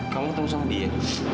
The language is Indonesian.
kamu tunggu sama dia